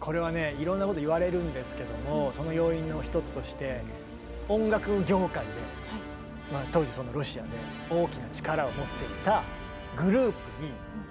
これはねいろんなこと言われるんですけどもその要因の一つとして音楽業界で当時そのロシアでその酷評自体も事前に用意されていたと。